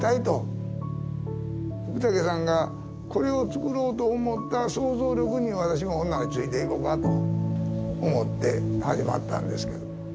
福武さんがこれをつくろうと思った想像力に私もほんならついていこかと思って始まったんですけど。